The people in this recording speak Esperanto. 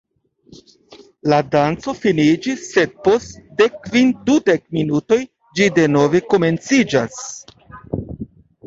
La danco finiĝis, sed post dekkvin-dudek minutoj ĝi denove komenciĝas.